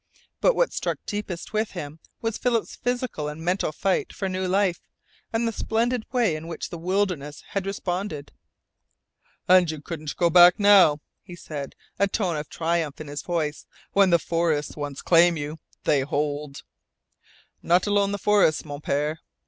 But what struck deepest with him was Philip's physical and mental fight for new life, and the splendid way in which the wilderness had responded. "And you couldn't go back now," he said, a tone of triumph in his voice. "When the forests once claim you they hold." "Not alone the forests, Mon Pere."